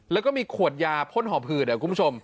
แล้วก็มีขวดยาพ่นหอบหืดคุณผู้ชม